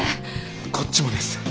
こっちもです。